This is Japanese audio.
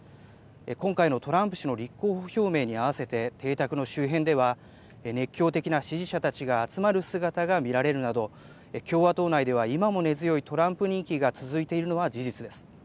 今回のトランプ氏の立候補表明に合わせて邸宅の周辺では熱狂的な支持者たちが集まる姿が見られるなど共和党内では今も根強いトランプ人気が続いているのは事実です。